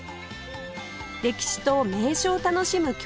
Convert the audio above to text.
歴史と名所を楽しむ京都散歩